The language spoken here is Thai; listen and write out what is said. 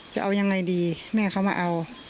จะเอายังไงดีแม่เขามาเอา